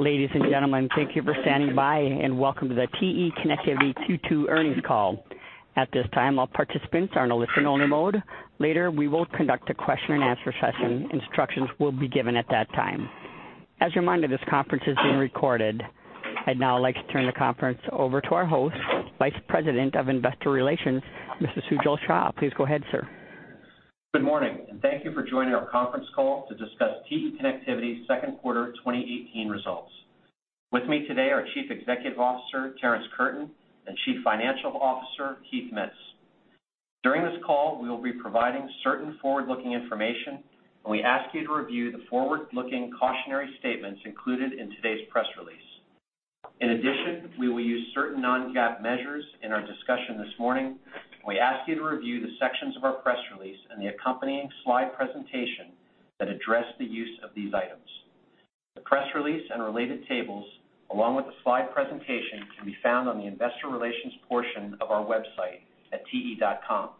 Ladies and gentlemen, thank you for standing by, and welcome to the TE Connectivity Q2 earnings call. At this time, all participants are in a listen-only mode. Later, we will conduct a question-and-answer session. Instructions will be given at that time. As a reminder, this conference is being recorded. I'd now like to turn the conference over to our host, Vice President of Investor Relations, Mr. Sujal Shah. Please go ahead, sir. Good morning, and thank you for joining our conference call to discuss TE Connectivity's second quarter 2018 results. With me today are Chief Executive Officer, Terrence Curtin, and Chief Financial Officer, Heath Mitts. During this call, we will be providing certain forward-looking information, and we ask you to review the forward-looking cautionary statements included in today's press release. In addition, we will use certain non-GAAP measures in our discussion this morning, and we ask you to review the sections of our press release and the accompanying slide presentation that address the use of these items. The press release and related tables, along with the slide presentation, can be found on the investor relations portion of our website at te.com.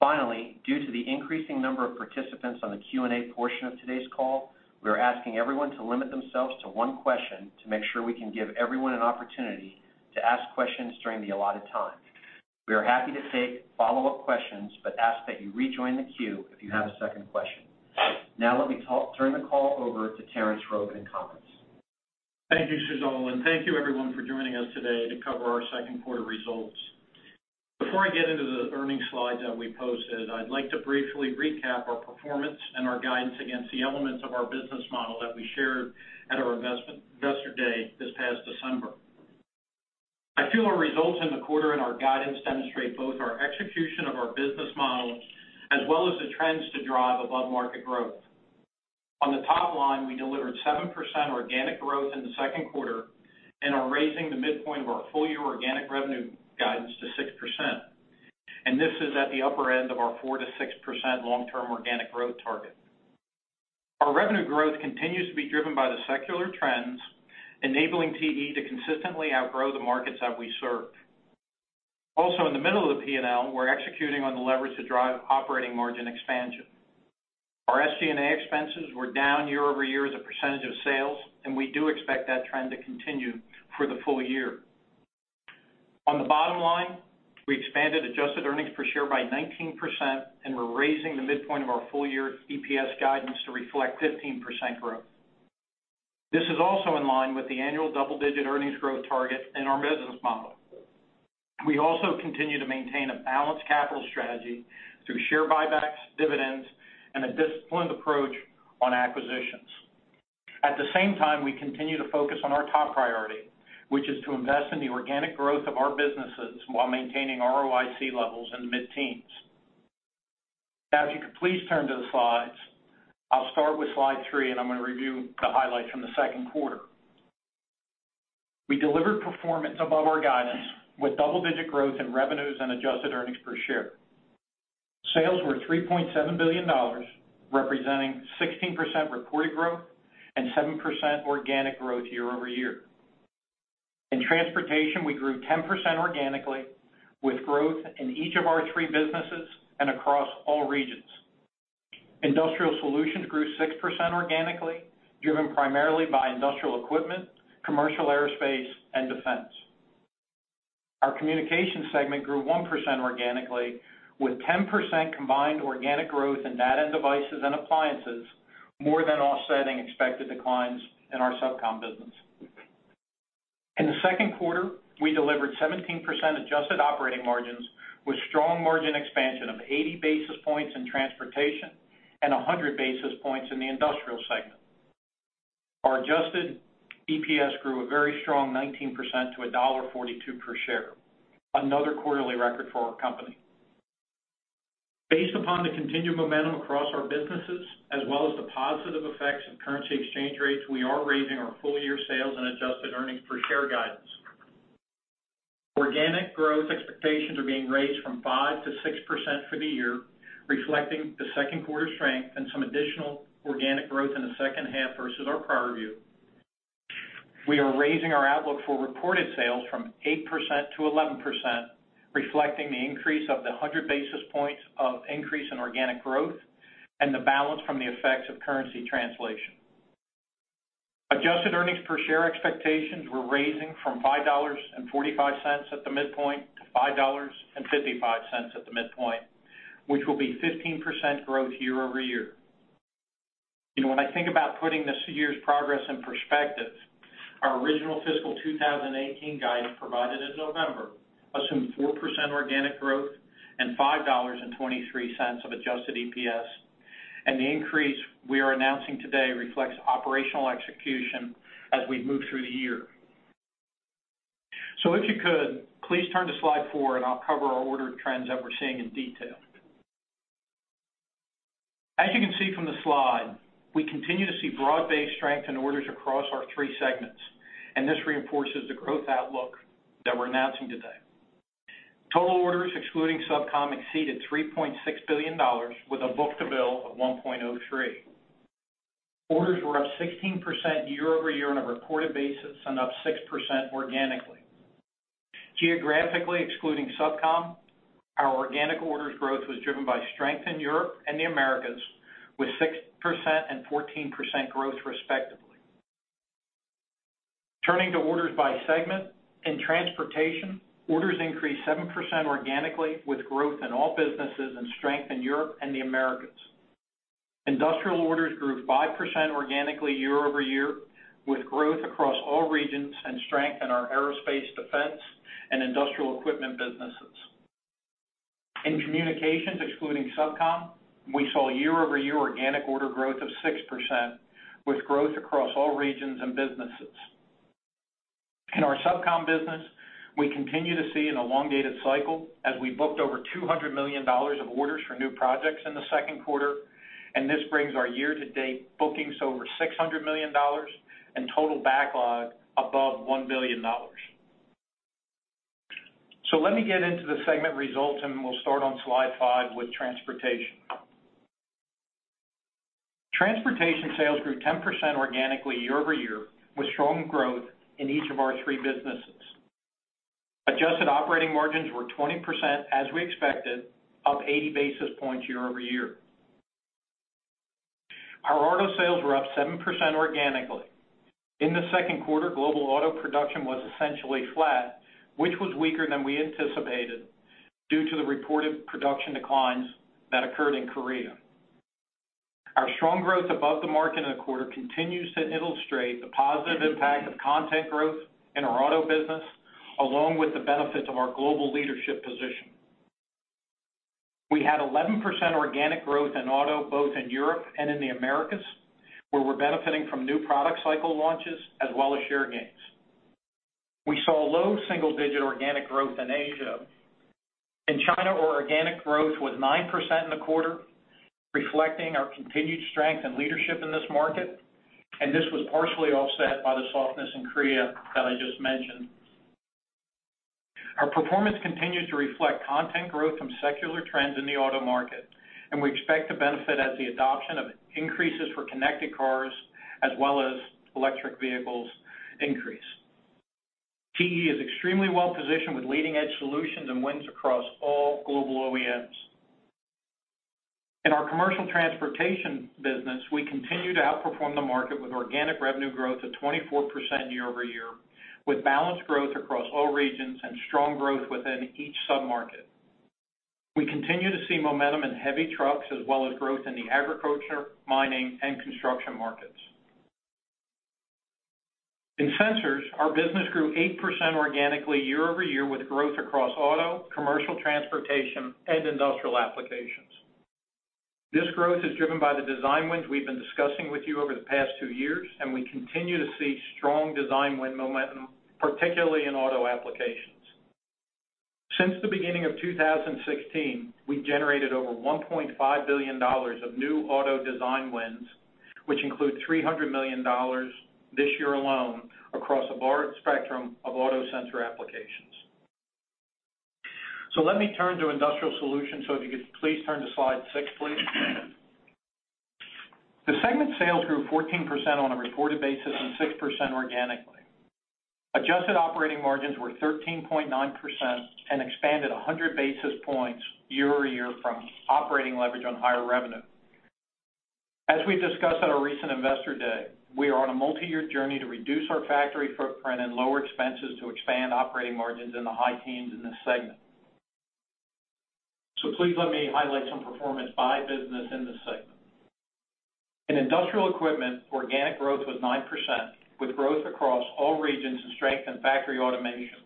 Finally, due to the increasing number of participants on the Q&A portion of today's call, we are asking everyone to limit themselves to one question to make sure we can give everyone an opportunity to ask questions during the allotted time. We are happy to take follow-up questions, but ask that you rejoin the queue if you have a second question. Now, let me turn the call over to Terrence for opening comments. Thank you, Sujal, and thank you, everyone, for joining us today to cover our second quarter results. Before I get into the earnings slides that we posted, I'd like to briefly recap our performance and our guidance against the elements of our business model that we shared at our Investor Day this past December. I feel our results in the quarter and our guidance demonstrate both our execution of our business model as well as the trends to drive above-market growth. On the top line, we delivered 7% organic growth in the second quarter and are raising the midpoint of our full-year organic revenue guidance to 6%. And this is at the upper end of our 4%-6% long-term organic growth target. Our revenue growth continues to be driven by the secular trends, enabling TE to consistently outgrow the markets that we serve. Also, in the middle of the P&L, we're executing on the leverage to drive operating margin expansion. Our SG&A expenses were down year-over-year as a percentage of sales, and we do expect that trend to continue for the full year. On the bottom line, we expanded adjusted earnings per share by 19%, and we're raising the midpoint of our full-year EPS guidance to reflect 15% growth. This is also in line with the annual double-digit earnings growth target in our business model. We also continue to maintain a balanced capital strategy through share buybacks, dividends, and a disciplined approach on acquisitions. At the same time, we continue to focus on our top priority, which is to invest in the organic growth of our businesses while maintaining ROIC levels in the mid-teens. Now, if you could please turn to the slides, I'll start with slide three, and I'm going to review the highlights from the second quarter. We delivered performance above our guidance with double-digit growth in revenues and adjusted earnings per share. Sales were $3.7 billion, representing 16% reported growth and 7% organic growth year-over-year. In Transportation, we grew 10% organically with growth in each of our 3 businesses and across all regions. Industrial Solutions grew 6% organically, driven primarily by Industrial Equipment, Commercial Aerospace, and Defense. Our Communications segment grew 1% organically, with 10% combined organic growth in Data and Devices and Appliances, more than offsetting expected declines in our SubCom business. In the second quarter, we delivered 17% adjusted operating margins with strong margin expansion of 80 basis points in Transportation and 100 basis points in the Industrial segment. Our adjusted EPS grew a very strong 19% to $1.42 per share, another quarterly record for our company. Based upon the continued momentum across our businesses, as well as the positive effects of currency exchange rates, we are raising our full-year sales and adjusted earnings per share guidance. Organic growth expectations are being raised from 5%-6% for the year, reflecting the second quarter strength and some additional organic growth in the second half versus our prior view. We are raising our outlook for reported sales from 8%-11%, reflecting the increase of the 100 basis points of increase in organic growth and the balance from the effects of currency translation. Adjusted earnings per share expectations were raising from $5.45 at the midpoint to $5.55 at the midpoint, which will be 15% growth year-over-year. When I think about putting this year's progress in perspective, our original fiscal 2018 guidance provided in November assumed 4% organic growth and $5.23 of adjusted EPS, and the increase we are announcing today reflects operational execution as we move through the year. So if you could, please turn to slide four, and I'll cover our order trends that we're seeing in detail. As you can see from the slide, we continue to see broad-based strength in orders across our three segments, and this reinforces the growth outlook that we're announcing today. Total orders, excluding SubCom, exceeded $3.6 billion, with a book-to-bill of 1.03. Orders were up 16% year-over-year on a reported basis and up 6% organically. Geographically, excluding SubCom, our organic orders growth was driven by strength in Europe and the Americas with 6% and 14% growth, respectively. Turning to orders by segment, in Transportation, orders increased 7% organically with growth in all businesses and strength in Europe and the Americas. Industrial orders grew 5% organically year-over-year with growth across all regions and strength in our Aerospace, Defense, and Industrial Equipment businesses. In Communications, excluding SubCom, we saw year-over-year organic order growth of 6% with growth across all regions and businesses. In our SubCom business, we continue to see an elongated cycle as we booked over $200 million of orders for new projects in the second quarter, and this brings our year-to-date bookings to over $600 million and total backlog above $1 billion. So let me get into the segment results, and we'll start on slide five with Transportation. Transportation sales grew 10% organically year-over-year with strong growth in each of our three businesses. Adjusted operating margins were 20%, as we expected, up 80 basis points year-over-year. Our auto sales were up 7% organically. In the second quarter, global auto production was essentially flat, which was weaker than we anticipated due to the reported production declines that occurred in Korea. Our strong growth above the market in the quarter continues to illustrate the positive impact of content growth in our auto business, along with the benefit of our global leadership position. We had 11% organic growth in auto, both in Europe and in the Americas, where we're benefiting from new product cycle launches as well as share gains. We saw low single-digit organic growth in Asia. In China, our organic growth was 9% in the quarter, reflecting our continued strength and leadership in this market, and this was partially offset by the softness in Korea that I just mentioned. Our performance continues to reflect content growth from secular trends in the auto market, and we expect to benefit as the adoption of increases for connected cars as well as electric vehicles increase. TE is extremely well-positioned with leading-edge solutions and wins across all global OEMs. In our Commercial Transportation business, we continue to outperform the market with organic revenue growth of 24% year-over-year, with balanced growth across all regions and strong growth within each sub-market. We continue to see momentum in heavy trucks as well as growth in the agriculture, mining, and construction markets. In Sensors, our business grew 8% organically year-over-year with growth across auto, Commercial Transportation, and industrial applications. This growth is driven by the design wins we've been discussing with you over the past two years, and we continue to see strong design win momentum, particularly in auto applications. Since the beginning of 2016, we generated over $1.5 billion of new auto design wins, which include $300 million this year alone across a broad spectrum of auto sensor applications. So let me turn to Industrial Solutions, so if you could please turn to slide six, please. The segment sales grew 14% on a reported basis and 6% organically. Adjusted operating margins were 13.9% and expanded 100 basis points year-over-year from operating leverage on higher revenue. As we discussed at our recent Investor Day, we are on a multi-year journey to reduce our factory footprint and lower expenses to expand operating margins in the high teens in this segment. So please let me highlight some performance by business in this segment. In Industrial Equipment, organic growth was 9%, with growth across all regions and strength in factory automation.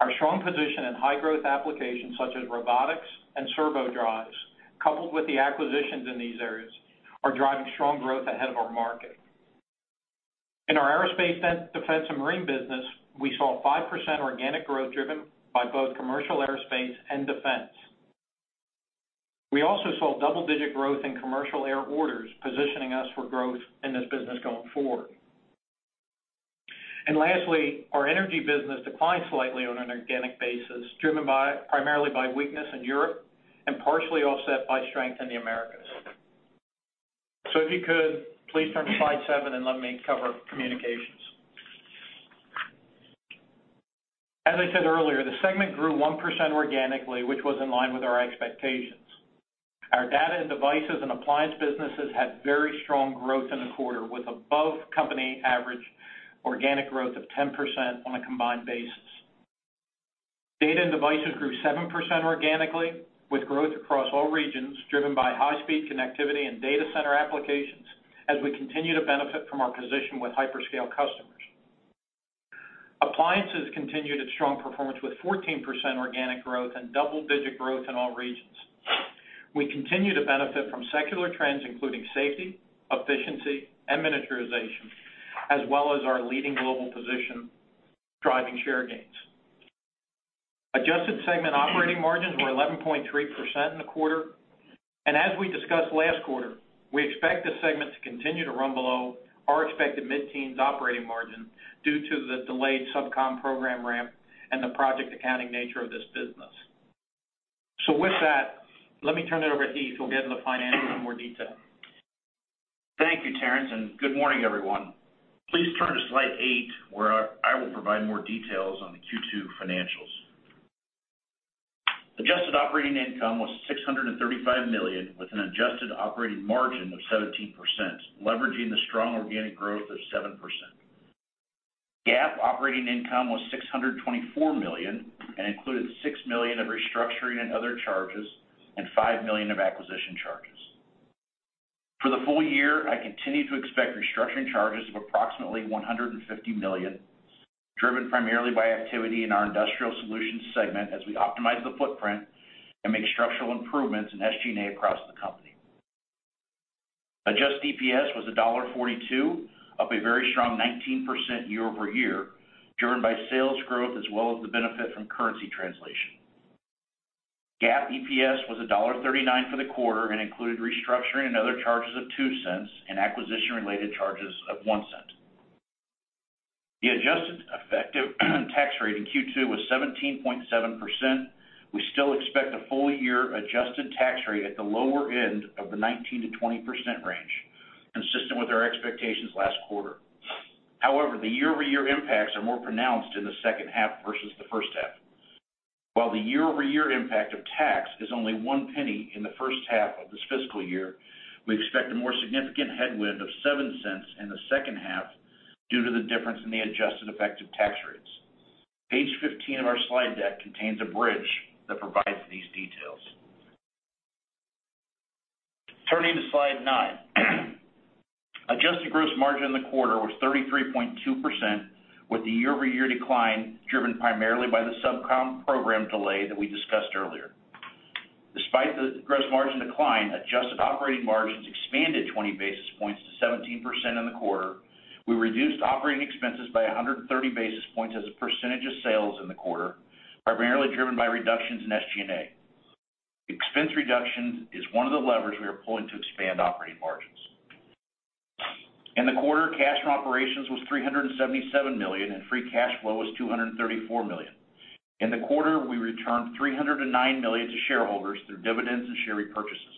Our strong position in high-growth applications such as robotics and servo drives, coupled with the acquisitions in these areas, are driving strong growth ahead of our market. In our Aerospace, Defense, and Marine business, we saw 5% organic growth driven by both Commercial Aerospace and Defense. We also saw double-digit growth in commercial air orders, positioning us for growth in this business going forward. And lastly, our Energy business declined slightly on an organic basis, driven primarily by weakness in Europe and partially offset by strength in the Americas. So if you could, please turn to slide seven and let me cover Communications. As I said earlier, the segment grew 1% organically, which was in line with our expectations. Our Data and Devices and Appliances businesses had very strong growth in the quarter, with above-company average organic growth of 10% on a combined basis. Data and Devices grew 7% organically, with growth across all regions driven by high-speed connectivity and data center applications as we continue to benefit from our position with hyperscale customers. Appliances continued its strong performance with 14% organic growth and double-digit growth in all regions. We continue to benefit from secular trends, including safety, efficiency, and miniaturization, as well as our leading global position driving share gains. Adjusted segment operating margins were 11.3% in the quarter, and as we discussed last quarter, we expect the segment to continue to run below our expected mid-teens operating margin due to the delayed SubCom program ramp and the project accounting nature of this business. So with that, let me turn it over to Heath. He'll get into the financials in more detail. Thank you, Terrence, and good morning, everyone. Please turn to slide eight, where I will provide more details on the Q2 financials. Adjusted operating income was $635 million, with an adjusted operating margin of 17%, leveraging the strong organic growth of 7%. GAAP operating income was $624 million and included $6 million of restructuring and other charges and $5 million of acquisition charges. For the full year, I continue to expect restructuring charges of approximately $150 million, driven primarily by activity in our Industrial Solutions segment as we optimize the footprint and make structural improvements in SG&A across the company. Adjusted EPS was $1.42, up a very strong 19% year-over-year, driven by sales growth as well as the benefit from currency translation. GAAP EPS was $1.39 for the quarter and included restructuring and other charges of $0.02 and acquisition-related charges of $0.01. The adjusted effective tax rate in Q2 was 17.7%. We still expect a full-year adjusted tax rate at the lower end of the 19%-20% range, consistent with our expectations last quarter. However, the year-over-year impacts are more pronounced in the second half versus the first half. While the year-over-year impact of tax is only $0.01 in the first half of this fiscal year, we expect a more significant headwind of $0.07 in the second half due to the difference in the adjusted effective tax rates. Page 15 of our slide deck contains a bridge that provides these details. Turning to slide nine, adjusted gross margin in the quarter was 33.2%, with the year-over-year decline driven primarily by the SubCom program delay that we discussed earlier. Despite the gross margin decline, adjusted operating margins expanded 20 basis points to 17% in the quarter. We reduced operating expenses by 130 basis points as a percentage of sales in the quarter, primarily driven by reductions in SG&A. Expense reduction is one of the levers we are pulling to expand operating margins. In the quarter, cash from operations was $377 million, and free cash flow was $234 million. In the quarter, we returned $309 million to shareholders through dividends and share repurchases.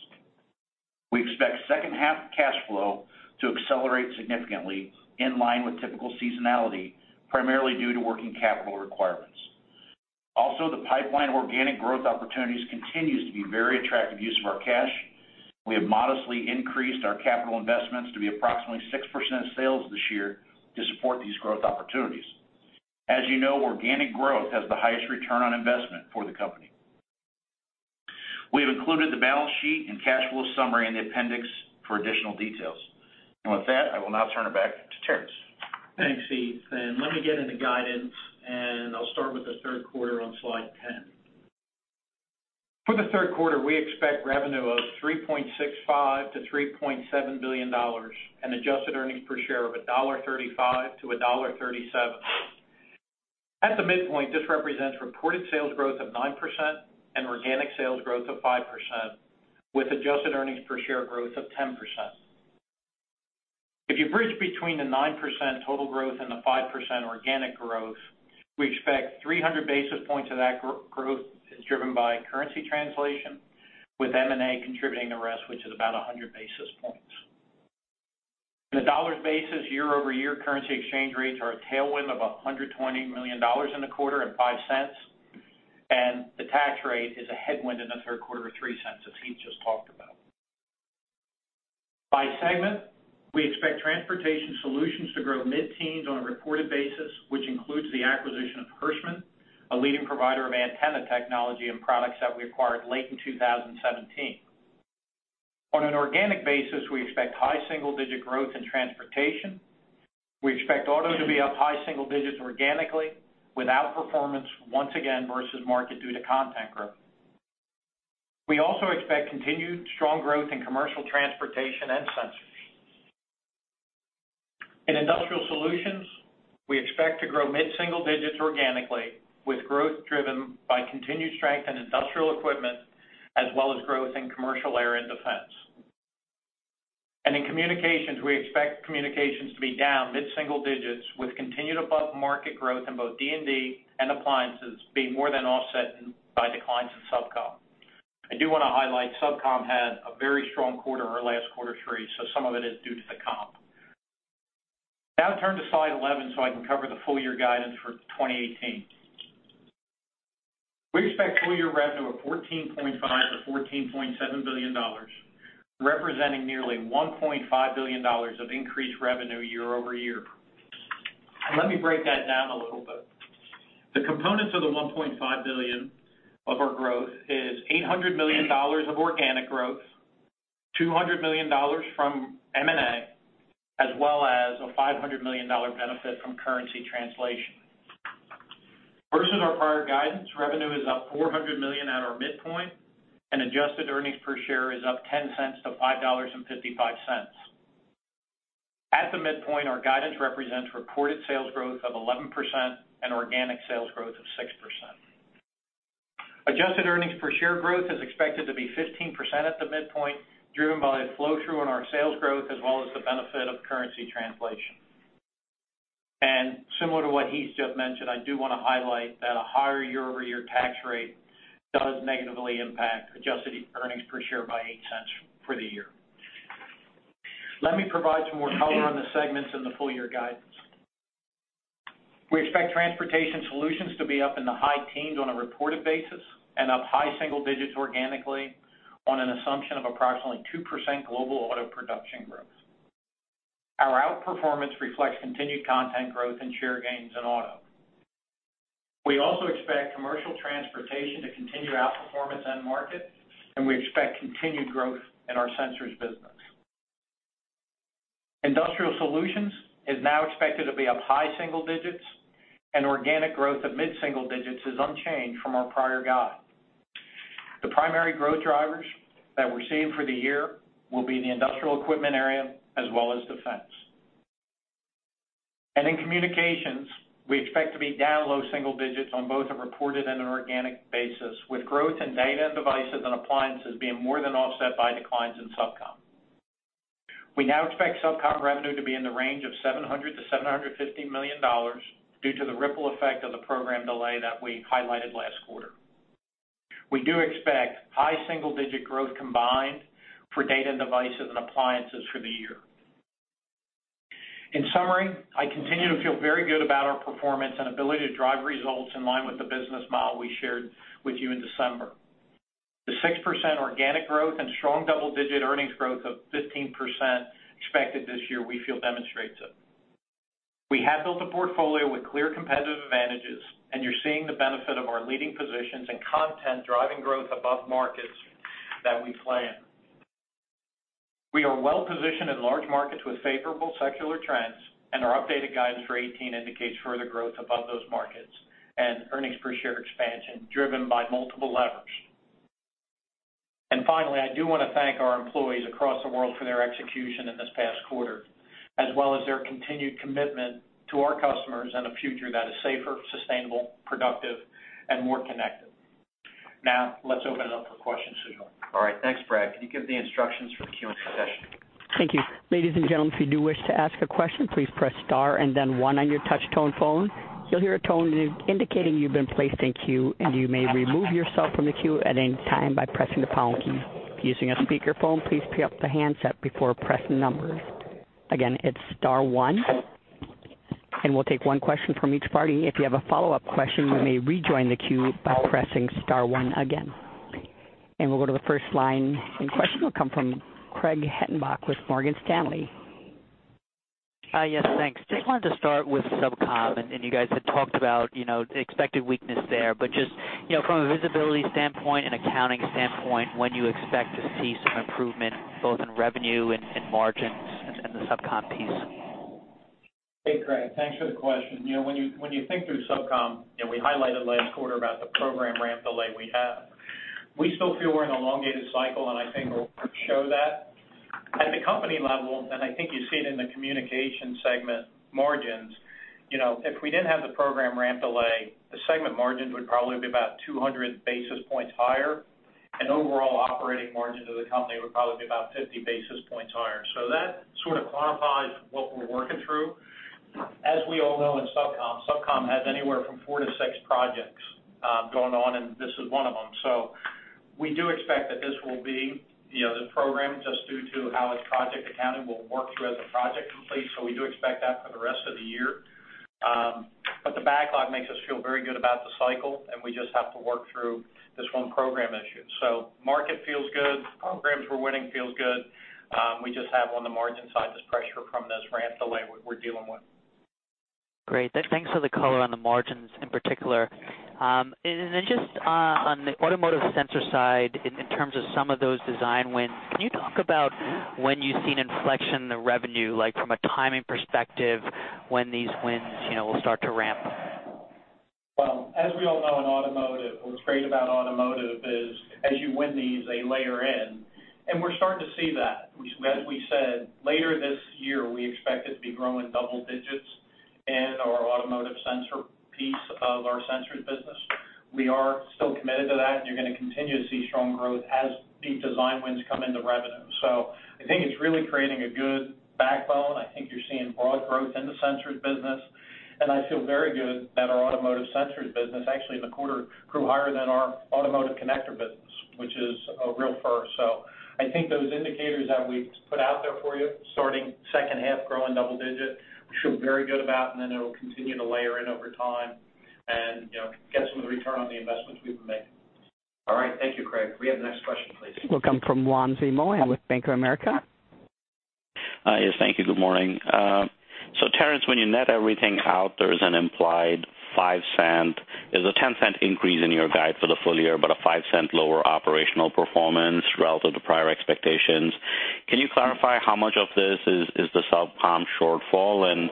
We expect second-half cash flow to accelerate significantly in line with typical seasonality, primarily due to working capital requirements. Also, the pipeline of organic growth opportunities continues to be very attractive use of our cash. We have modestly increased our capital investments to be approximately 6% of sales this year to support these growth opportunities. As you know, organic growth has the highest return on investment for the company. We have included the balance sheet and cash flow summary in the appendix for additional details. With that, I will now turn it back to Terrence. Thanks, Heath. And let me get into guidance, and I'll start with the third quarter on slide 10. For the third quarter, we expect revenue of $3.65-$3.7 billion and adjusted earnings per share of $1.35-$1.37. At the midpoint, this represents reported sales growth of 9% and organic sales growth of 5%, with adjusted earnings per share growth of 10%. If you bridge between the 9% total growth and the 5% organic growth, we expect 300 basis points of that growth is driven by currency translation, with M&A contributing the rest, which is about 100 basis points. In the dollars basis, year-over-year currency exchange rates are a tailwind of $120 million in the quarter and $0.05, and the tax rate is a headwind in the third quarter of $0.03, as Heath just talked about. By segment, we expect Transportation Solutions to grow mid-teens on a reported basis, which includes the acquisition of Hirschmann, a leading provider of antenna technology and products that we acquired late in 2017. On an organic basis, we expect high single-digit growth in Transportation. We expect auto to be up high single digits organically with outperformance once again versus market due to content growth. We also expect continued strong growth in Commercial Transportation and Sensors. In Industrial Solutions, we expect to grow mid-single digits organically, with growth driven by continued strength in Industrial Equipment as well as growth in commercial air and defense. In Communications, we expect Communications to be down mid-single digits, with continued above-market growth in both D&D and Appliances being more than offset by declines in SubCom. I do want to highlight SubCom had a very strong quarter or last quarter three, so some of it is due to the comp. Now turn to slide 11 so I can cover the full-year guidance for 2018. We expect full-year revenue of $14.5-$14.7 billion, representing nearly $1.5 billion of increased revenue year-over-year. Let me break that down a little bit. The components of the $1.5 billion of our growth are $800 million of organic growth, $200 million from M&A, as well as a $500 million benefit from currency translation. Versus our prior guidance, revenue is up $400 million at our midpoint, and adjusted earnings per share is up $0.10 to $5.55. At the midpoint, our guidance represents reported sales growth of 11% and organic sales growth of 6%. Adjusted earnings per share growth is expected to be 15% at the midpoint, driven by a flow-through in our sales growth as well as the benefit of currency translation. Similar to what Heath just mentioned, I do want to highlight that a higher year-over-year tax rate does negatively impact adjusted earnings per share by $0.08 for the year. Let me provide some more color on the segments in the full-year guidance. We expect Transportation Solutions to be up in the high teens on a reported basis and up high single digits organically on an assumption of approximately 2% global auto production growth. Our outperformance reflects continued content growth and share gains in auto. We also expect Commercial Transportation to continue outperformance end market, and we expect continued growth in our Sensors business. Industrial Solutions is now expected to be up high single digits, and organic growth at mid-single digits is unchanged from our prior guide. The primary growth drivers that we're seeing for the year will be the Industrial Equipment area as well as defense. And in Communications, we expect to be down low single digits on both a reported and an organic basis, with growth in Data and Devices and Appliances being more than offset by declines in SubCom. We now expect SubCom revenue to be in the range of $700 million-$750 million due to the ripple effect of the program delay that we highlighted last quarter. We do expect high single-digit growth combined for Data and Devices and Appliances for the year. In summary, I continue to feel very good about our performance and ability to drive results in line with the business model we shared with you in December. The 6% organic growth and strong double-digit earnings growth of 15% expected this year, we feel demonstrates it. We have built a portfolio with clear competitive advantages, and you're seeing the benefit of our leading positions and content driving growth above markets that we planned. We are well-positioned in large markets with favorable secular trends, and our updated guidance for 2018 indicates further growth above those markets and earnings per share expansion driven by multiple levers. Finally, I do want to thank our employees across the world for their execution in this past quarter, as well as their continued commitment to our customers and a future that is safer, sustainable, productive, and more connected. Now, let's open it up for questions to join. All right. Thanks. Brad, can you give the instructions for the Q&A session? Thank you. Ladies and gentlemen, if you do wish to ask a question, please press star and then one on your touch-tone phone. You'll hear a tone indicating you've been placed in queue, and you may remove yourself from the queue at any time by pressing the pound key. Using a speakerphone, please pick up the handset before pressing numbers. Again, it's star one, and we'll take one question from each party. If you have a follow-up question, you may rejoin the queue by pressing star one again. We'll go to the first line in question. We'll come from Craig Hettenbach with Morgan Stanley. Yes, thanks. Just wanted to start with SubCom, and you guys had talked about expected weakness there, but just from a visibility standpoint and accounting standpoint, when you expect to see some improvement both in revenue and margins and the SubCom piece? Hey, Craig, thanks for the question. When you think through SubCom, we highlighted last quarter about the program ramp delay we have. We still feel we're in an elongated cycle, and I think we'll show that. At the company level, and I think you see it in the Communications segment margins, if we didn't have the program ramp delay, the segment margins would probably be about 200 basis points higher, and overall operating margin to the company would probably be about 50 basis points higher. So that sort of quantifies what we're working through. As we all know in SubCom, SubCom has anywhere from four to six projects going on, and this is one of them. So we do expect that this will be the program, just due to how its project accounting will work through as a project completes. So we do expect that for the rest of the year. But the backlog makes us feel very good about the cycle, and we just have to work through this one program issue. Market feels good, programs we're winning feels good. We just have on the margin side this pressure from this ramp delay we're dealing with. Great. Thanks for the color on the margins in particular. And then just on the automotive sensor side, in terms of some of those design wins, can you talk about when you've seen inflection in the revenue, like from a timing perspective, when these wins will start to ramp? Well, as we all know in Automotive, what's great about Automotive is as you win these, they layer in. We're starting to see that. As we said, later this year, we expect it to be growing double digits in our automotive sensor piece of our Sensors business. We are still committed to that, and you're going to continue to see strong growth as these design wins come into revenue. So I think it's really creating a good backbone. I think you're seeing broad growth in the Sensors business. And I feel very good that our Automotive Sensors business actually in the quarter grew higher than our automotive connector business, which is a real first. I think those indicators that we put out there for you, starting second half growing double digit, we feel very good about, and then it'll continue to layer in over time and get some of the return on the investments we've been making. All right. Thank you, Craig. We have the next question, please. We'll come from Wamsi Mohan with Bank of America. Yes, thank you. Good morning. So Terrence, when you net everything out, there's an implied $0.05. There's a $0.10 increase in your guide for the full year, but a $0.05 lower operational performance relative to prior expectations. Can you clarify how much of this is the SubCom shortfall? And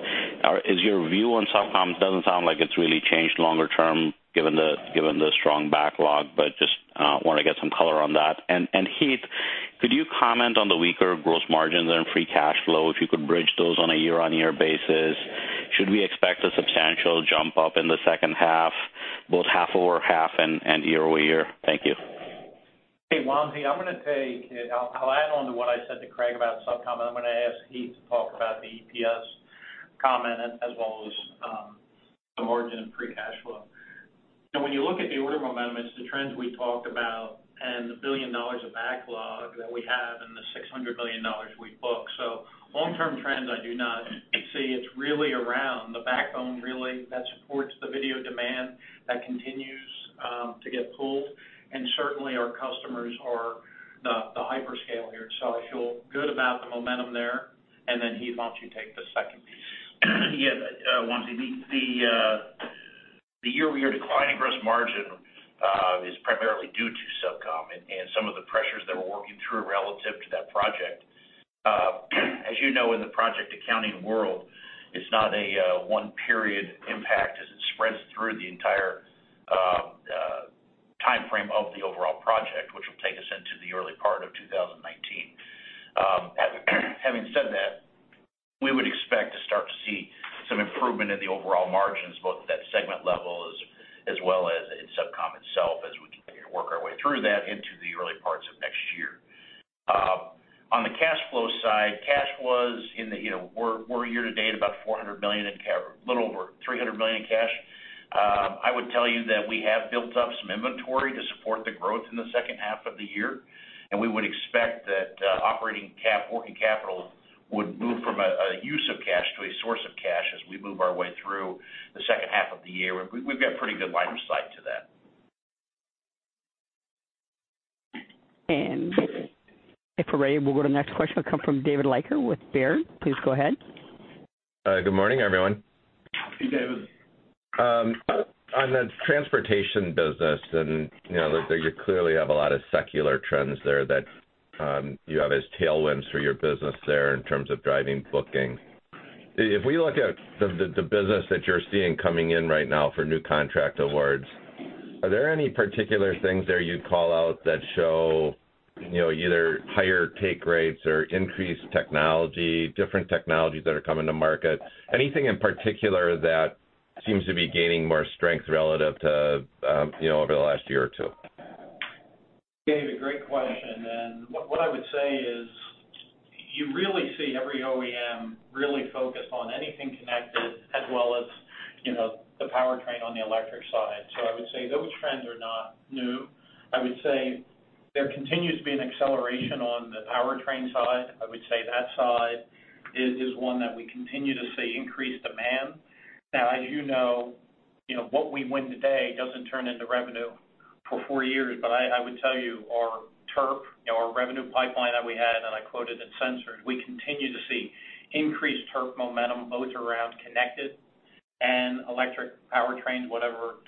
your view on SubCom doesn't sound like it's really changed longer term given the strong backlog, but just want to get some color on that. And Heath, could you comment on the weaker gross margins and free cash flow if you could bridge those on a year-on-year basis? Should we expect a substantial jump up in the second half, both half-over-half and year-over-year? Thank you. Hey, Wamsi, I'm going to take it. I'll add on to what I said to Craig about SubCom, and I'm going to ask Heath to talk about the EPS comment, as well as the margin and free cash flow. When you look at the order momentum, it's the trends we talked about and the $1 billion of backlog that we have and the $600 million we book. So long-term trends, I do not see. It's really around the backbone really that supports the video demand that continues to get pulled. And certainly, our customers are the hyperscale here. So I feel good about the momentum there. And then Heath, why don't you take the second piece? Yeah. Wamsi, the year-over-year declining gross margin is primarily due to SubCom and some of the pressures that we're working through relative to that project. As you know, in the project accounting world, it's not a one-period impact as it spreads through the entire timeframe of the overall project, which will take us into the early part of 2019. Having said that, we would expect to start to see some improvement in the overall margins, both at that segment level as well as in SubCom itself, as we continue to work our way through that into the early parts of next year. On the cash flow side, cash was in the we're year-to-date about $400 million in cash, a little over $300 million in cash. I would tell you that we have built up some inventory to support the growth in the second half of the year, and we would expect that operating working capital would move from a use of cash to a source of cash as we move our way through the second half of the year. We've got pretty good line of sight to that. If we're ready, we'll go to the next question. We'll come from David Leiker with Baird. Please go ahead. Good morning, everyone. Hey, David. On the transportation business, you clearly have a lot of secular trends there that you have as tailwinds for your business there in terms of driving booking. If we look at the business that you're seeing coming in right now for new contract awards, are there any particular things there you'd call out that show either higher take rates or increased technology, different technologies that are coming to market? Anything in particular that seems to be gaining more strength relative to over the last year or two? David, great question. What I would say is you really see every OEM really focused on anything connected as well as the powertrain on the electric side. I would say those trends are not new. I would say there continues to be an acceleration on the powertrain side. I would say that side is one that we continue to see increased demand. Now, as you know, what we win today doesn't turn into revenue for four years, but I would tell you our TERP, our revenue pipeline that we had, and I quoted in Sensors, we continue to see increased TERP momentum both around connected and electric powertrains, whatever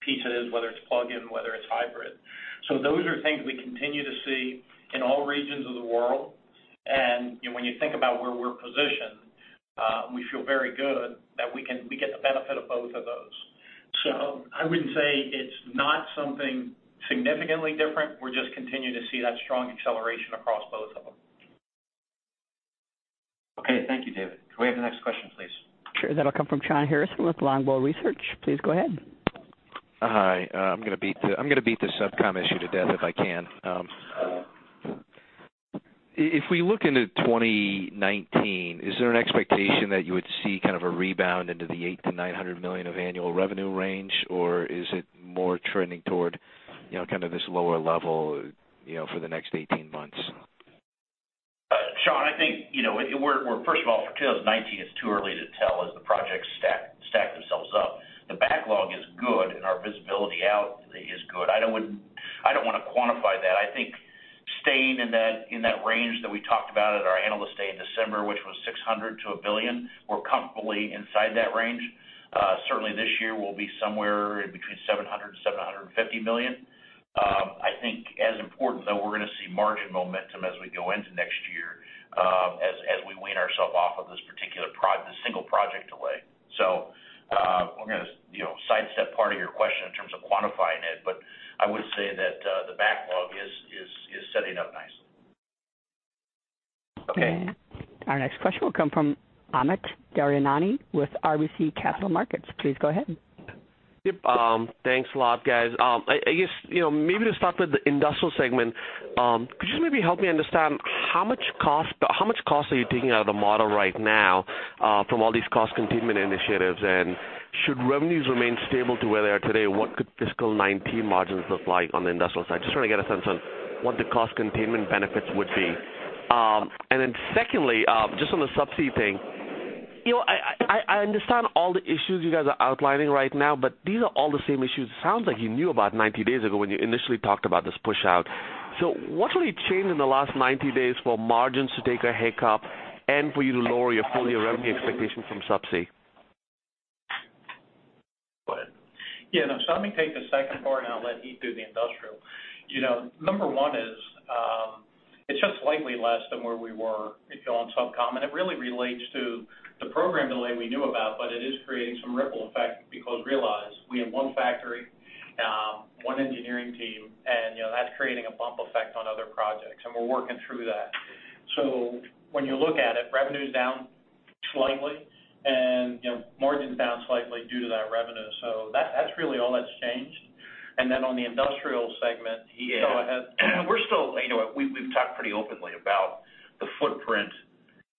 piece it is, whether it's plug-in, whether it's hybrid. Those are things we continue to see in all regions of the world. When you think about where we're positioned, we feel very good that we get the benefit of both of those. I wouldn't say it's not something significantly different. We're just continuing to see that strong acceleration across both of them. Okay. Thank you, David. Can we have the next question, please? Sure. That'll come from Shawn Harrison with Longbow Research. Please go ahead. Hi. I'm going to beat the SubCom issue to death if I can. If we look into 2019, is there an expectation that you would see kind of a rebound into the $800 million-$900 million of annual revenue range, or is it more trending toward kind of this lower level for the next 18 months? Shawn, I think we're, first of all, for 2019, it's too early to tell as the projects stack themselves up. The backlog is good, and our visibility out is good. I don't want to quantify that. I think staying in that range that we talked about at our analyst day in December, which was $600 million-$1 billion, we're comfortably inside that range. Certainly, this year will be somewhere between $700 million-$750 million. I think as important, though, we're going to see margin momentum as we go into next year as we wean ourselves off of this particular single project delay. So I'm going to sidestep part of your question in terms of quantifying it, but I would say that the backlog is setting up nicely. Okay. Our next question will come from Amit Daryanani with RBC Capital Markets. Please go ahead. Yep. Thanks a lot, guys. I guess maybe to start with the industrial segment, could you just maybe help me understand how much cost are you taking out of the model right now from all these cost containment initiatives? And should revenues remain stable to where they are today, what could fiscal 2019 margins look like on the industrial side? Just trying to get a sense on what the cost containment benefits would be. And then secondly, just on the subsea thing, I understand all the issues you guys are outlining right now, but these are all the same issues it sounds like you knew about 90 days ago when you initially talked about this push-out. So what really changed in the last 90 days for margins to take a hiccup and for you to lower your full-year revenue expectation from subsea? Go ahead. Yeah. So let me take the second part, and I'll let Heath do the industrial. Number one is it's just slightly less than where we were on SubCom. And it really relates to the program delay we knew about, but it is creating some ripple effect because realize we have one factory, one engineering team, and that's creating a bump effect on other projects. And we're working through that. So when you look at it, revenue's down slightly, and margins down slightly due to that revenue. So that's really all that's changed. And then on the industrial segment, Heath, go ahead. We're still. We've talked pretty openly about the footprint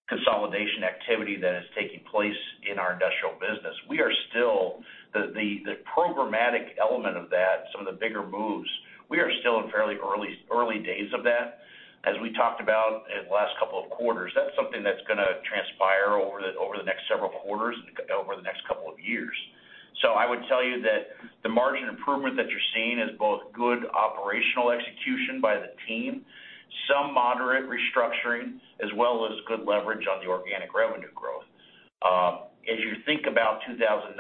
consolidation activity that is taking place in our industrial business. We are still the programmatic element of that, some of the bigger moves. We are still in fairly early days of that, as we talked about in the last couple of quarters. That's something that's going to transpire over the next several quarters, over the next couple of years. So I would tell you that the margin improvement that you're seeing is both good operational execution by the team, some moderate restructuring, as well as good leverage on the organic revenue growth. As you think about 2019,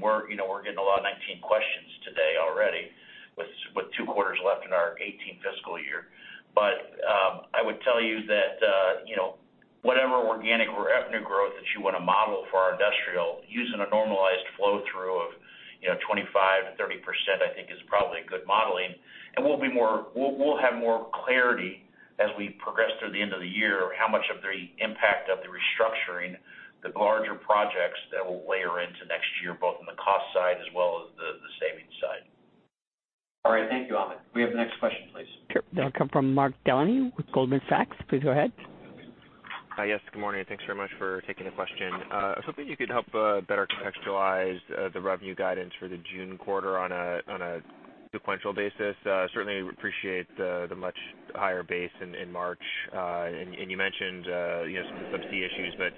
we're getting a lot of 2019 questions today already with two quarters left in our 2018 fiscal year. But I would tell you that whatever organic revenue growth that you want to model for our industrial, using a normalized flow through of 25%-30%, I think is probably good modeling. We'll have more clarity as we progress through the end of the year how much of the impact of the restructuring, the larger projects that will layer into next year, both on the cost side as well as the savings side. All right. Thank you, Amit. We have the next question, please. Sure. That'll come from Mark Delaney with Goldman Sachs. Please go ahead. Yes. Good morning. Thanks very much for taking the question. I was hoping you could help better contextualize the revenue guidance for the June quarter on a sequential basis. Certainly, we appreciate the much higher base in March. And you mentioned some subsea issues, but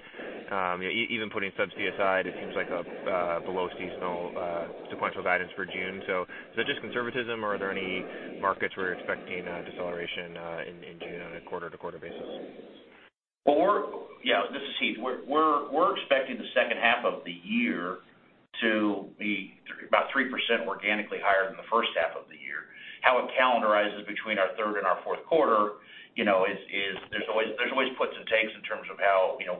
even putting subsea aside, it seems like a below-seasonal sequential guidance for June. So is that just conservatism, or are there any markets where you're expecting deceleration in June on a quarter-to-quarter basis? Yeah. This is Heath. We're expecting the second half of the year to be about 3% organically higher than the first half of the year. How it calendarizes between our third and our fourth quarter is there's always puts and takes in terms of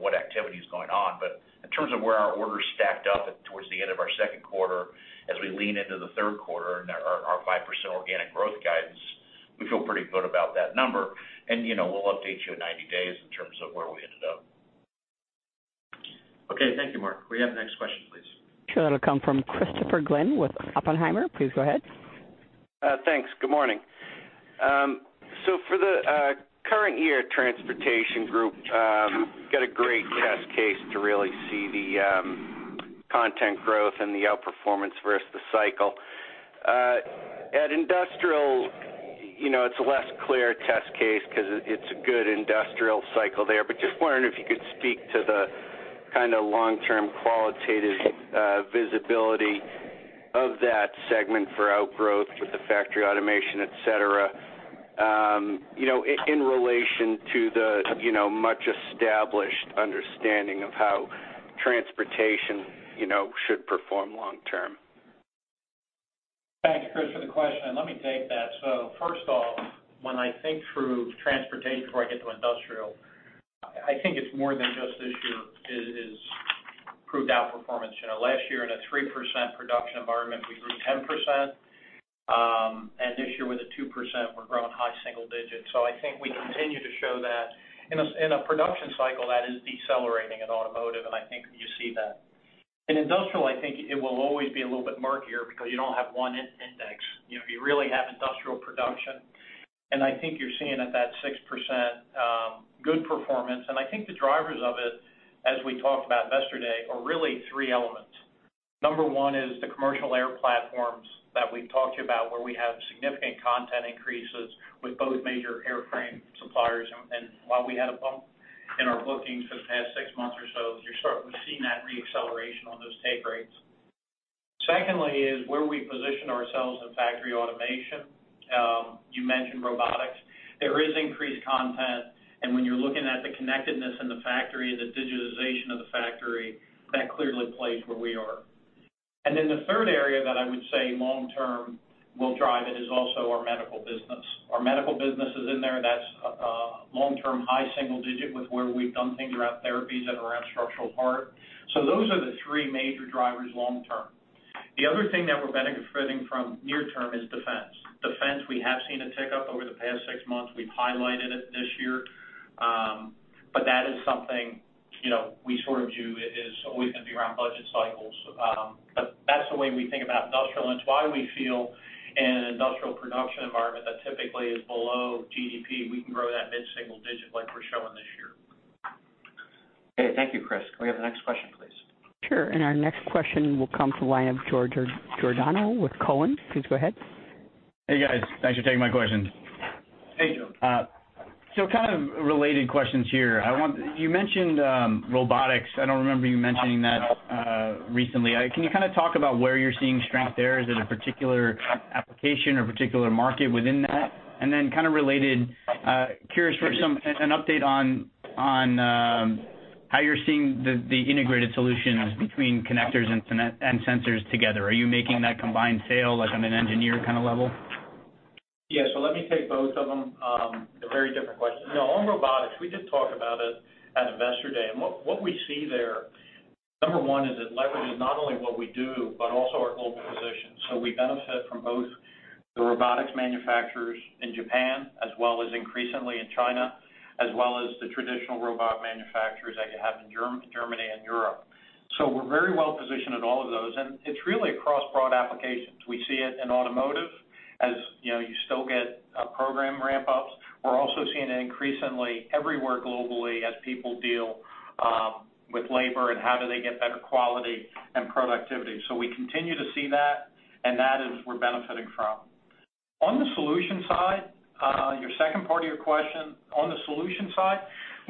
what activity is going on. But in terms of where our orders stacked up towards the end of our second quarter, as we lean into the third quarter and our 5% organic growth guidance, we feel pretty good about that number. And we'll update you in 90 days in terms of where we ended up. Okay. Thank you, Mark. We have the next question, please. That'll come from Christopher Glynn with Oppenheimer. Please go ahead. Thanks. Good morning. So for the current year transportation group, we've got a great test case to really see the content growth and the outperformance versus the cycle. At industrial, it's a less clear test case because it's a good industrial cycle there. But just wondering if you could speak to the kind of long-term qualitative visibility of that segment for outgrowth with the factory automation, etc., in relation to the much-established understanding of how transportation should perform long-term. Thanks, Chris, for the question. And let me take that. So first off, when I think through transportation before I get to industrial, I think it's more than just this year is proved outperformance. Last year, in a 3% production environment, we grew 10%. And this year, with a 2%, we're growing high single digits. So I think we continue to show that in a production cycle that is decelerating in Automotive, and I think you see that. In industrial, I think it will always be a little bit murkier because you don't have one index. You really have industrial production. And I think you're seeing at that 6% good performance. And I think the drivers of it, as we talked about yesterday, are really three elements. Number one is the commercial air platforms that we've talked to you about where we have significant content increases with both major airframe suppliers. And while we had a bump in our bookings for the past 6 months or so, we're seeing that re-acceleration on those take rates. Secondly is where we position ourselves in factory automation. You mentioned robotics. There is increased content. And when you're looking at the connectedness in the factory and the digitization of the factory, that clearly plays where we are. And then the third area that I would say long-term will drive it is also our Medical business. Our Medical business is in there. That's long-term high single digit with where we've done things around therapies and around structural part. So those are the three major drivers long-term. The other thing that we're benefiting from near-term is defense. Defense, we have seen a tick up over the past six months. We've highlighted it this year. But that is something we sort of view is always going to be around budget cycles. But that's the way we think about industrial. And it's why we feel in an industrial production environment that typically is below GDP, we can grow that mid-single digit like we're showing this year. Okay. Thank you, Chris. Can we have the next question, please? Sure. And our next question will come from Joe Giordano with Cowen. Please go ahead. Hey, guys. Thanks for taking my question. Hey, Joe. So kind of related questions here. You mentioned robotics. I don't remember you mentioning that recently. Can you kind of talk about where you're seeing strength there? Is it a particular application or particular market within that? And then kind of related, curious for an update on how you're seeing the integrated solutions between connectors and sensors together. Are you making that combined sale on an engineer kind of level? Yeah. So let me take both of them. They're very different questions. No, on robotics, we did talk about it at Investor Day. And what we see there, number one is it leverages not only what we do, but also our global position. So we benefit from both the robotics manufacturers in Japan, as well as increasingly in China, as well as the traditional robot manufacturers that you have in Germany and Europe. So we're very well positioned at all of those. And it's really across broad applications. We see it in Automotive as you still get program ramp-ups. We're also seeing it increasingly everywhere globally as people deal with labor and how do they get better quality and productivity. So we continue to see that, and that is we're benefiting from. On the solution side, your second part of your question, on the solution side,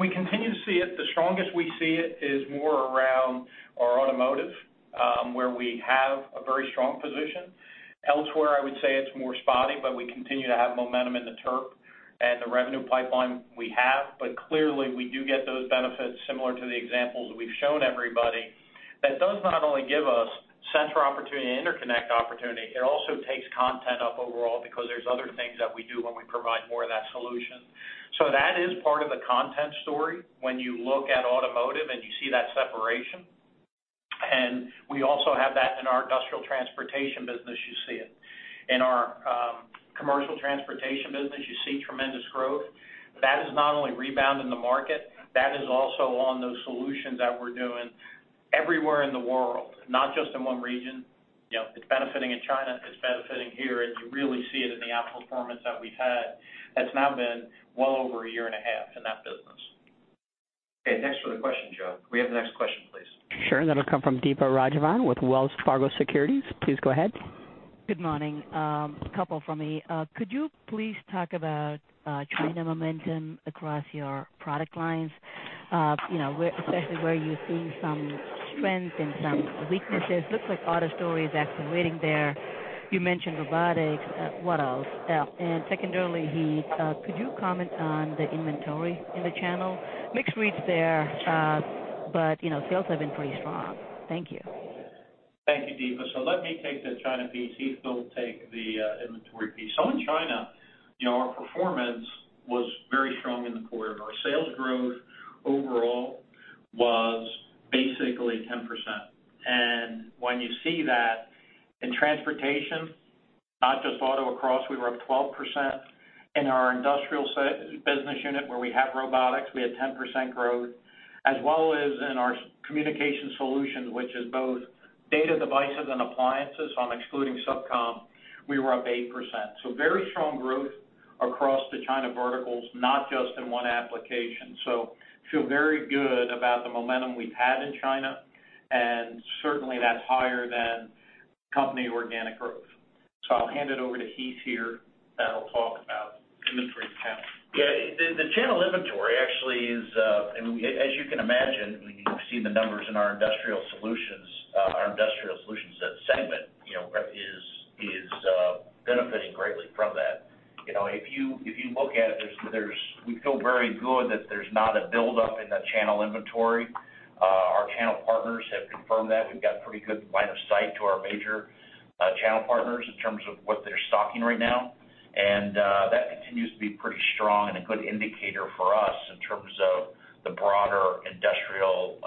we continue to see it. The strongest we see it is more around our Automotive, where we have a very strong position. Elsewhere, I would say it's more spotty, but we continue to have momentum in the TERP and the revenue pipeline we have. But clearly, we do get those benefits similar to the examples we've shown everybody. That does not only give us sensor opportunity and interconnect opportunity. It also takes content up overall because there's other things that we do when we provide more of that solution. So that is part of the content story when you look at Automotive and you see that separation. And we also have that in our industrial transportation business. You see it. In our commercial transportation business, you see tremendous growth. That is not only rebound in the market. That is also on those solutions that we're doing everywhere in the world, not just in one region. It's benefiting in China. It's benefiting here. And you really see it in the outperformance that we've had. That's now been well over a year and a half in that business. Okay. Next question for Joe. Can we have the next question, please? Sure. That'll come from Deepa Raghavan with Wells Fargo Securities. Please go ahead. Good morning. A couple from me. Could you please talk about China momentum across your product lines, especially where you see some strength and some weaknesses? Looks like auto story is actually waiting there. You mentioned robotics. What else? And secondarily, Heath, could you comment on the inventory in the channel? Mixed reads there, but sales have been pretty strong. Thank you. Thank you, Deepa. So let me take the China piece. Heath will take the inventory piece. So in China, our performance was very strong in the quarter. Our sales growth overall was basically 10%. And when you see that in transportation, not just auto across, we were up 12%. In our industrial business unit, where we have robotics, we had 10% growth, as well as in our communication solutions, which is both Data, Devices and Appliances. I'm excluding SubCom. We were up 8%. So very strong growth across the China verticals, not just in one application. So I feel very good about the momentum we've had in China. And certainly, that's higher than company organic growth. So I'll hand it over to Heath here that'll talk about inventory channel. Yeah. The channel inventory actually is, as you can imagine, we've seen the numbers in our Industrial Solutions. Our Industrial Solutions segment is benefiting greatly from that. If you look at it, we feel very good that there's not a build-up in the channel inventory. Our channel partners have confirmed that. We've got pretty good line of sight to our major channel partners in terms of what they're stocking right now. And that continues to be pretty strong and a good indicator for us in terms of the broader industrial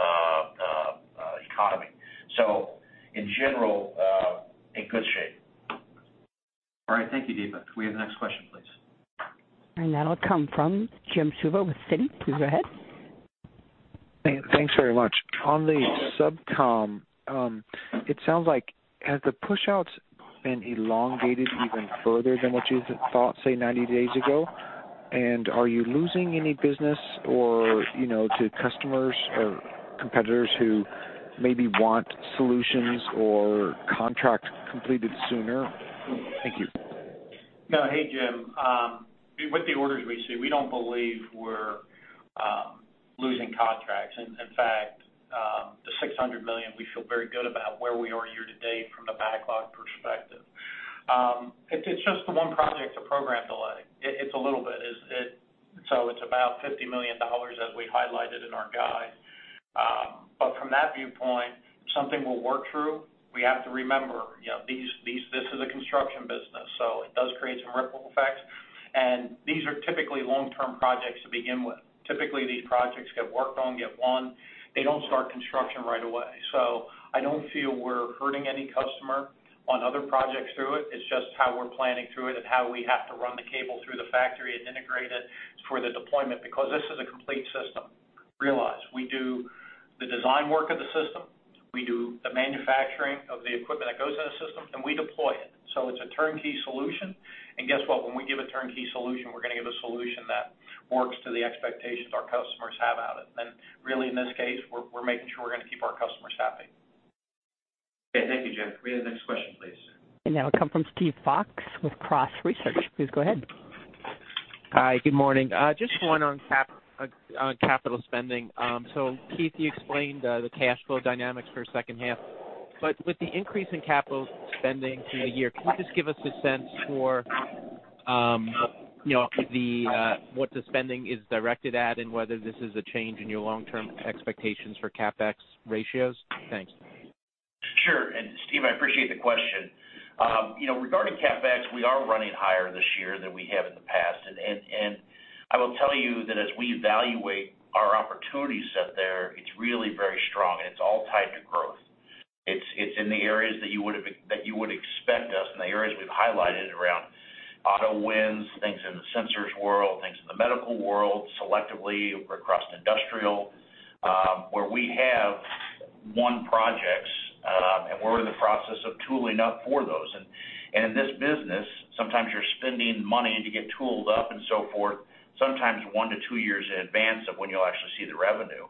economy. So in general, in good shape. All right. Thank you, Deepa. Can we have the next question, please? That'll come from Jim Suva with Citi. Please go ahead. Thanks very much. On the SubCom, it sounds like have the push-outs been elongated even further than what you thought, say, 90 days ago? And are you losing any business to customers or competitors who maybe want solutions or contracts completed sooner? Thank you. No. Hey, Jim. With the orders we see, we don't believe we're losing contracts. And in fact, the $600 million, we feel very good about where we are year to date from the backlog perspective. It's just the one project's a program delay. It's a little bit. So it's about $50 million, as we highlighted in our guide. But from that viewpoint, something will work through. We have to remember this is a construction business, so it does create some ripple effects. And these are typically long-term projects to begin with. Typically, these projects get worked on, get won. They don't start construction right away. So I don't feel we're hurting any customer on other projects through it. It's just how we're planning through it and how we have to run the cable through the factory and integrate it for the deployment because this is a complete system. Realize we do the design work of the system. We do the manufacturing of the equipment that goes in the system, and we deploy it. So it's a turnkey solution. And guess what? When we give a turnkey solution, we're going to give a solution that works to the expectations our customers have out of it. And really, in this case, we're making sure we're going to keep our customers happy. Okay. Thank you, Jim. We have the next question, please. That'll come from Steve Fox with Cross Research. Please go ahead. Hi. Good morning. Just one on capital spending. So Heath, you explained the cash flow dynamics for the second half. But with the increase in capital spending through the year, can you just give us a sense for what the spending is directed at and whether this is a change in your long-term expectations for CapEx ratios? Thanks. Sure. And Steve, I appreciate the question. Regarding CapEx, we are running higher this year than we have in the past. And I will tell you that as we evaluate our opportunity set there, it's really very strong. And it's all tied to growth. It's in the areas that you would expect us in the areas we've highlighted around auto wins, things in the sensors world, things in the medical world, selectively across industrial, where we have won projects, and we're in the process of tooling up for those. And in this business, sometimes you're spending money to get tooled up and so forth, sometimes 1-2 years in advance of when you'll actually see the revenue.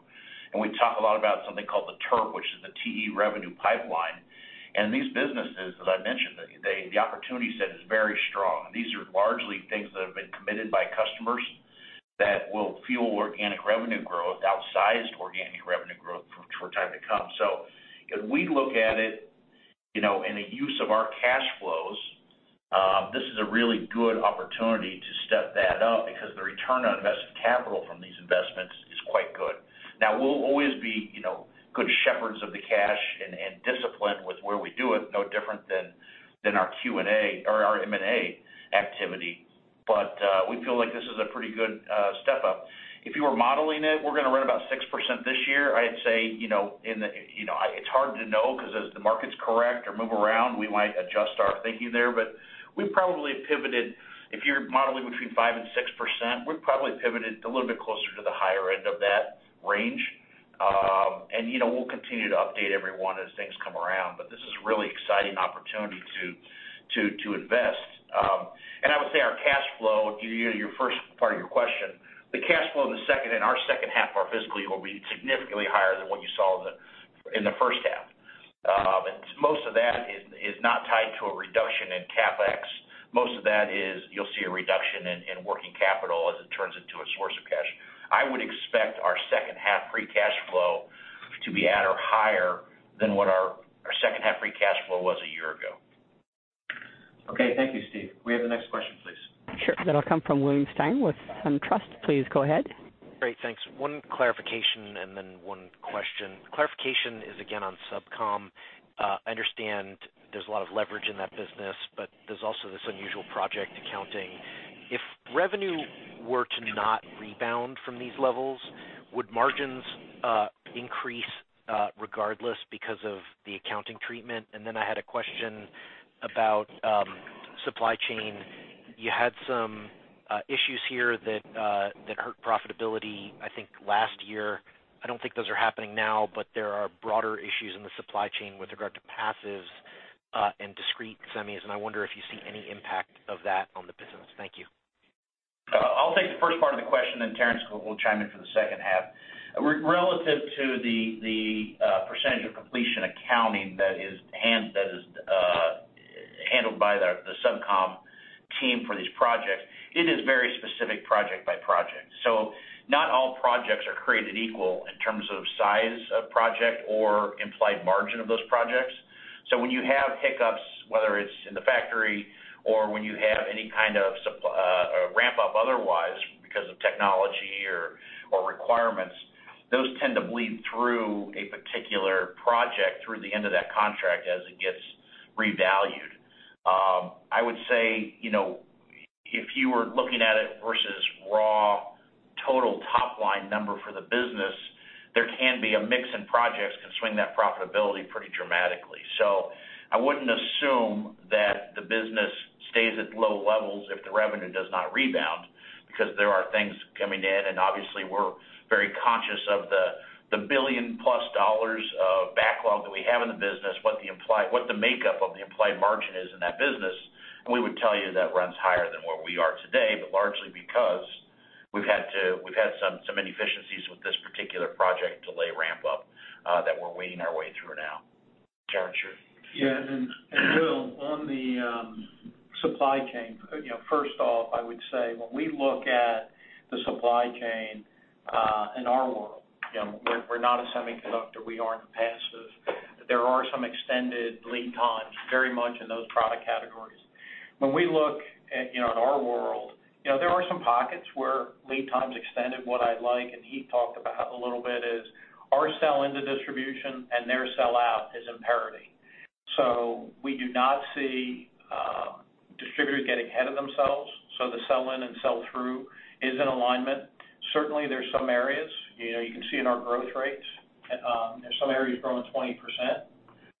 And we talk a lot about something called the TERP, which is the TE revenue pipeline. And these businesses that I mentioned, the opportunity set is very strong. These are largely things that have been committed by customers that will fuel organic revenue growth, outsized organic revenue growth for time to come. If we look at it in the use of our cash flows, this is a really good opportunity to step that up because the return on invested capital from these investments is quite good. Now, we'll always be good shepherds of the cash and disciplined with where we do it, no different than our Q&A or our M&A activity. We feel like this is a pretty good step up. If you were modeling it, we're going to run about 6% this year. I'd say, in the, it's hard to know because as the markets correct or move around, we might adjust our thinking there. But we've probably pivoted if you're modeling between 5%-6%, we've probably pivoted a little bit closer to the higher end of that range. And we'll continue to update everyone as things come around. But this is a really exciting opportunity to invest. And I would say our cash flow, your first part of your question, the cash flow in the second and our second half of our fiscal year will be significantly higher than what you saw in the first half. And most of that is not tied to a reduction in CapEx. Most of that is you'll see a reduction in working capital as it turns into a source of cash. I would expect our second half free cash flow to be at or higher than what our second half free cash flow was a year ago. Okay. Thank you, Steve. We have the next question, please. Sure. That'll come from William Stein with SunTrust. Please go ahead. Great. Thanks. One clarification and then one question. Clarification is again on SubCom. I understand there's a lot of leverage in that business, but there's also this unusual project accounting. If revenue were to not rebound from these levels, would margins increase regardless because of the accounting treatment? And then I had a question about supply chain. You had some issues here that hurt profitability, I think, last year. I don't think those are happening now, but there are broader issues in the supply chain with regard to passives and discrete semis. And I wonder if you see any impact of that on the business. Thank you. I'll take the first part of the question, and Terrence will chime in for the second half. Relative to the percentage-of-completion accounting that is handled by the SubCom team for these projects, it is very specific project by project. So not all projects are created equal in terms of size of project or implied margin of those projects. So when you have hiccups, whether it's in the factory or when you have any kind of ramp-up otherwise because of technology or requirements, those tend to bleed through a particular project through the end of that contract as it gets revalued. I would say if you were looking at it versus raw total top-line number for the business, there can be a mix in projects can swing that profitability pretty dramatically. So I wouldn't assume that the business stays at low levels if the revenue does not rebound because there are things coming in. And obviously, we're very conscious of the $1+ billion of backlog that we have in the business, what the makeup of the implied margin is in that business. And we would tell you that runs higher than where we are today, but largely because we've had some inefficiencies with this particular project delay ramp-up that we're weighing our way through now. Terrence, you're... Yeah. And Will, on the supply chain, first off, I would say when we look at the supply chain in our world, we're not a semiconductor. We aren't a passive. There are some extended lead times, very much in those product categories. When we look at our world, there are some pockets where lead time's extended, what I like. And Heath talked about a little bit is our sell-in to distribution and their sell-out is in parity. So we do not see distributors getting ahead of themselves. So the sell-in and sell-through is in alignment. Certainly, there's some areas. You can see in our growth rates, there's some areas growing 20%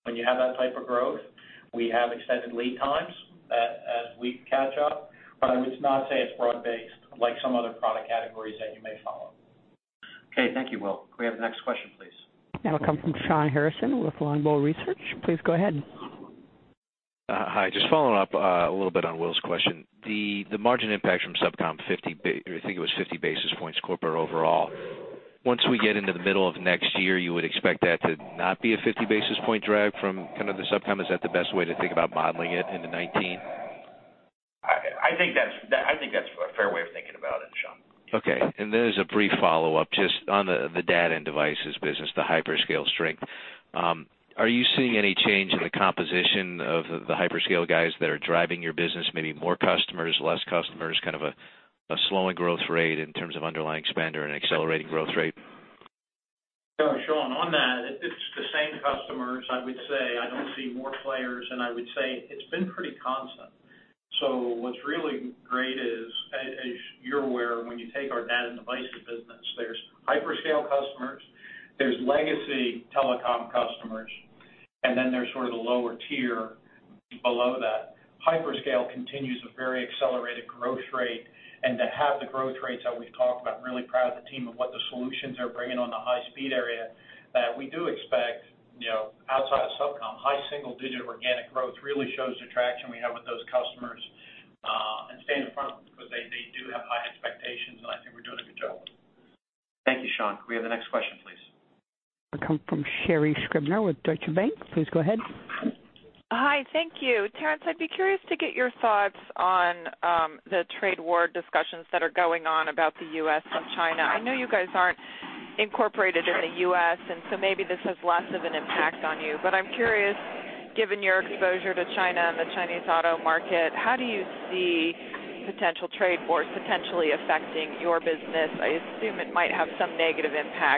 when you have that type of growth. We have extended lead times as we catch up. But I would not say it's broad-based like some other product categories that you may follow. Okay. Thank you, Will. Can we have the next question, please? That'll come from Shawn Harrison with Longbow Research. Please go ahead. Hi. Just following up a little bit on Will's question. The margin impact from SubCom, I think it was 50 basis points corporate overall. Once we get into the middle of next year, you would expect that to not be a 50 basis point drag from kind of the SubCom? Is that the best way to think about modeling it into 2019? I think that's a fair way of thinking about it, Shawn. Okay. There's a brief follow-up just on the Data and Devices business, the hyperscale strength. Are you seeing any change in the composition of the hyperscale guys that are driving your business, maybe more customers, less customers, kind of a slowing growth rate in terms of underlying spend or an accelerating growth rate? Shawn, on that, it's the same customers, I would say. I don't see more players. And I would say it's been pretty constant. So what's really great is, as you're aware, when you take our Data and Devices business, there's hyperscale customers, there's legacy telecom customers, and then there's sort of the lower tier below that. Hyperscale continues a very accelerated growth rate. And to have the growth rates that we've talked about, really proud of the team of what the solutions are bringing on the high-speed area that we do expect outside of SubCom, high single-digit organic growth really shows the traction we have with those customers and stand in front of them because they do have high expectations. And I think we're doing a good job. Thank you, Shawn. Can we have the next question, please? That'll come from Sherri Scribner with Deutsche Bank. Please go ahead. Hi. Thank you. Terrence, I'd be curious to get your thoughts on the trade war discussions that are going on about the U.S. and China. I know you guys aren't incorporated in the U.S., and so maybe this has less of an impact on you. But I'm curious, given your exposure to China and the Chinese auto market, how do you see potential trade wars potentially affecting your business? I assume it might have some negative impact.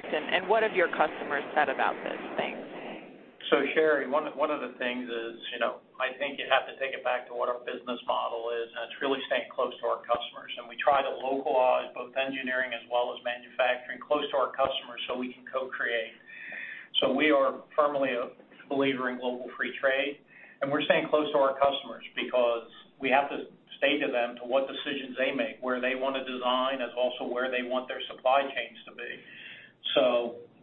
What have your customers said about this? Thanks. Sherri, one of the things is I think you have to take it back to what our business model is, and it's really staying close to our customers. We try to localize both engineering as well as manufacturing close to our customers so we can co-create. We are firmly a believer in global free trade. We're staying close to our customers because we have to stay to them to what decisions they make, where they want to design, as well as where they want their supply chains to be.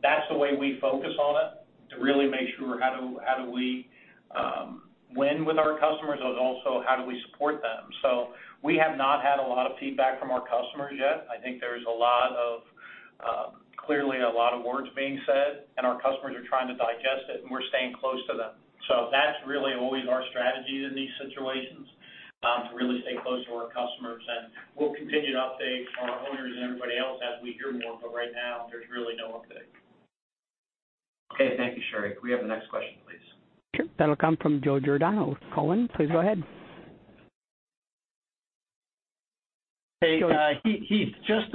That's the way we focus on it to really make sure how do we win with our customers, but also how do we support them. We have not had a lot of feedback from our customers yet. I think there's clearly a lot of words being said, and our customers are trying to digest it, and we're staying close to them. That's really always our strategy in these situations to really stay close to our customers. We'll continue to update our owners and everybody else as we hear more. Right now, there's really no update. Okay. Thank you, Sherri. Can we have the next question, please? Sure. That'll come from Joe Giordano with Cowen. Please go ahead. Hey, Heath, just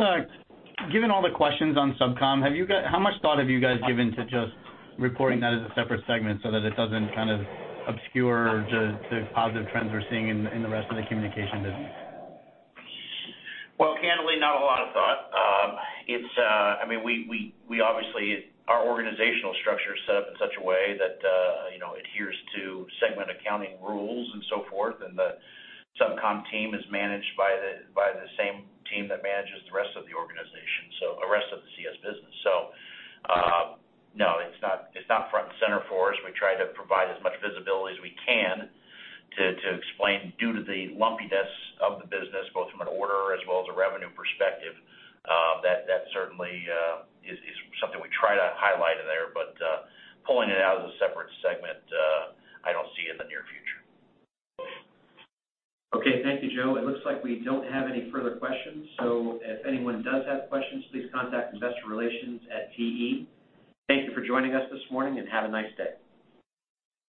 given all the questions on SubCom, how much thought have you guys given to just reporting that as a separate segment so that it doesn't kind of obscure the positive trends we're seeing in the rest of the communication business? Well, candidly, not a lot of thought. I mean, obviously, our organizational structure is set up in such a way that adheres to segment accounting rules and so forth. And the SubCom team is managed by the same team that manages the rest of the organization, so the rest of the CS business. So no, it's not front and center for us. We try to provide as much visibility as we can to explain due to the lumpiness of the business, both from an order as well as a revenue perspective. That certainly is something we try to highlight in there. But pulling it out as a separate segment, I don't see in the near future. Okay. Thank you, Joe. It looks like we don't have any further questions. So if anyone does have questions, please contact investorrelations@te.com. Thank you for joining us this morning, and have a nice day.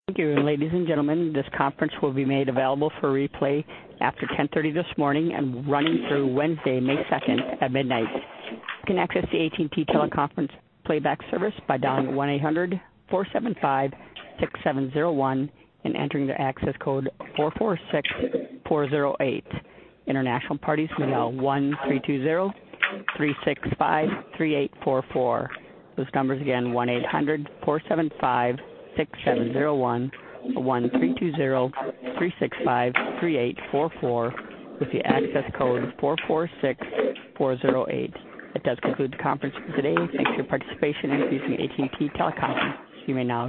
Thank you. Ladies and gentlemen, this conference will be made available for replay after 10:30 A.M. and running through Wednesday, May 2nd, at midnight. You can access the AT&T teleconference playback service by dialing 1-800-475-6701 and entering the access code 446-408. International parties, we have 1-320-365-3844. Those numbers again, 1-800-475-6701, 1-320-365-3844 with the access code 446-408. That does conclude the conference for today. Thanks for your participation in using AT&T teleconference. You may now.